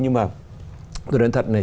nhưng mà tôi nói thật này